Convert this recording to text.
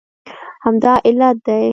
همدا علت دی